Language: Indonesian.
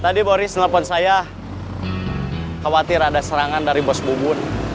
tadi boris telepon saya khawatir ada serangan dari bos bubun